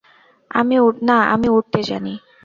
না, আমি উড়তে জানি।